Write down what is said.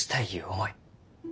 思い